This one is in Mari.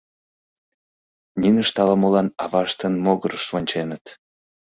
Нинышт ала-молан аваштын могырыш вонченыт.